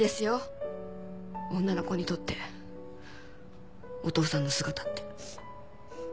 女の子にとってお父さんの姿って。